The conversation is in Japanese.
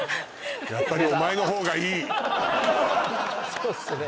そうっすね